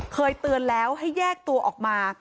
เคยเตือนแล้วให้แยกตัวออกมา